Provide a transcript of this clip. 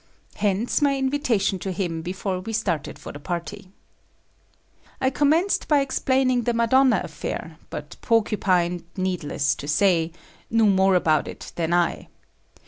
Hence my invitation to him before we started for the party. I commenced by explaining the Madonna affair, but Porcupine, needless to say, knew more about it than I.